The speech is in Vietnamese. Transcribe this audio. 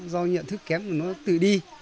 do nhận thức kém thì nó tự đi